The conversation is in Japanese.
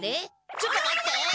ちょっと待って！